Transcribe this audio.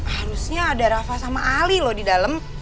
harusnya ada rafa sama ali loh di dalam